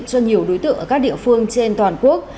cho nhiều đối tượng ở các địa phương trên toàn quốc